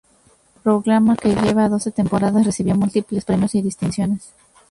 El programa, que lleva doce temporadas, recibió múltiples premios y distinciones.